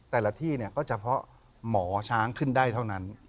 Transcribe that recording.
แต่ละที่เนี่ยก็เฉพาะหมอช้างขึ้นได้เท่านั้น